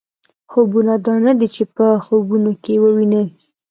خوبونه دا نه دي چې په خوب کې یې وینئ.